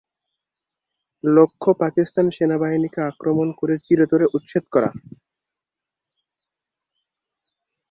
লক্ষ্য পাকিস্তান সেনাবাহিনীকে আক্রমণ করে চিরতরে উচ্ছেদ করা।